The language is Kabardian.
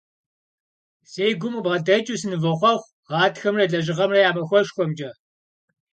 Си гум къыбгъэдэкӏыу сынывохъуэхъу Гъатхэмрэ Лэжьыгъэмрэ я махуэшхуэмкӏэ!